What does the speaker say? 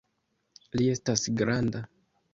Li estas granda!